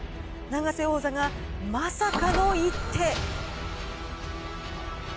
永瀬王座がまさかの一手。